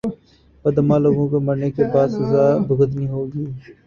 بداعمال لوگوں کو مرنے کے بعد سزا بھگتنی ہوگی